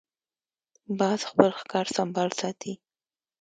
باز خپل ښکار سمبال ساتي